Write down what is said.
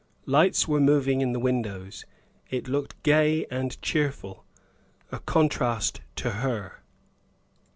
Lights were moving in the windows; it looked gay and cheerful, a contrast to her.